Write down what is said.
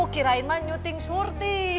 kirain mah nyuting surti